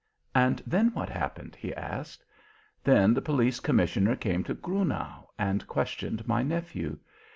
"And then what happened?" he asked. "Then the Police Commissioner came to Grunau and questioned my nephew.